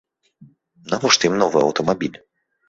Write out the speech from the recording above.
Навошта ім новы аўтамабіль?